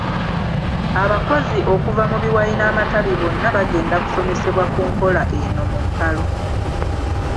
Abakozi okuva mu biwayi n’amatabi bonna bagenda kusomesebwa ku nkola eno mu mpalo.